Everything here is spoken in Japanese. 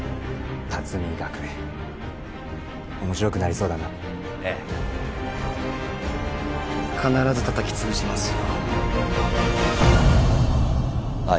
龍海学園面白くなりそうだなええ必ずたたきつぶしますよ